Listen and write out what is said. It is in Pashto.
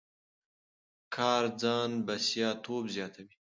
کار ځان بسیا توب زیاتوي.